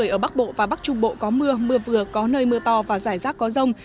ở bắc bộ và bắc trung bộ có mưa mưa vừa có nơi mưa to và rải rác có rông